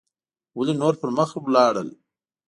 ولې نور پر مخ لاړل